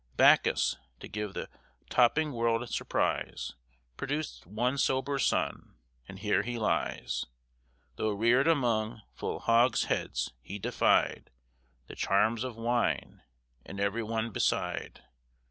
Bacchus, to give the toping world surprise, Produced one sober son, and here he lies. Though rear'd among full hogsheads, he defy'd The charms of wine, and every one beside.